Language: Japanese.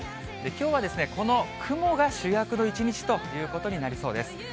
きょうはこの雲が主役の一日ということになりそうです。